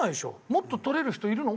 もっと取れる人いるの？